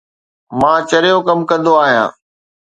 مان چريو ڪم ڪندو آهيان